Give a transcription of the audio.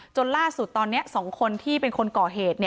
จนล่าสุดตอนนี้๒คนที่เป็นคนก่อเหตุ